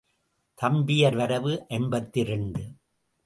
தம்பியர் வரவு ஐம்பத்திரண்டு.